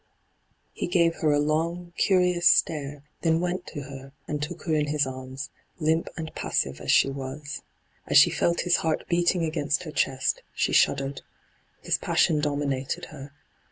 He gave her a long, curious stare, then went to her and took her in his arms, limp and passive as she wa^ As she felt his' heart beating against her chest, she shuddered. His passion dominated her.